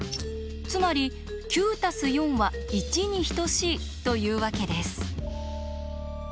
つまり９＋４＝１に等しいというわけです。